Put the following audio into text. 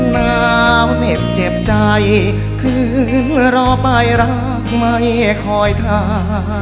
หนาวเหน็บเจ็บใจคือรอไปรักไม่คอยทา